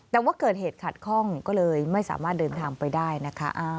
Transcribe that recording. แต่ว่าเกิดเหตุขัดข้องก็เลยไม่สามารถเดินทางไปได้นะคะ